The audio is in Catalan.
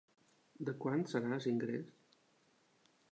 De quant serà l’ingrés?